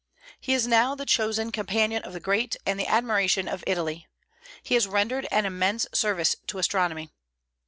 He is now the chosen companion of the great, and the admiration of Italy. He has rendered an immense service to astronomy.